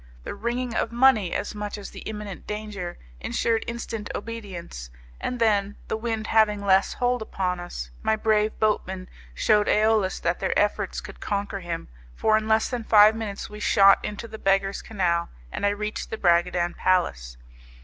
The ringing of money, as much as the imminent danger, ensured instant obedience, and then, the wind having less hold upon us, my brave boatmen shewed AEolus that their efforts could conquer him, for in less than five minutes we shot into the Beggars' Canal, and I reached the Bragadin Palace.